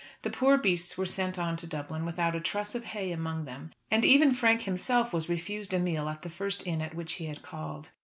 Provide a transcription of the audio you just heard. The poor beasts were sent on to Dublin without a truss of hay among them, and even Frank himself was refused a meal at the first inn at which he had called.